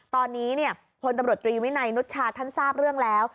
ตอนนี้พลตำรวจตรีวินัยนุชชาท่านทราบเรื่องแล้ว